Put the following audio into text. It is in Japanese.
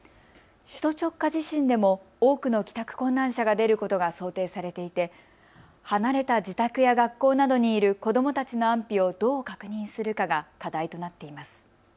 首都直下地震でも多くの帰宅困難者が出ることが想定されていて離れた自宅や学校などにいる子どもたちの安否をどう確認するかが課題となっています。